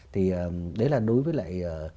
thì đấy là đối với lại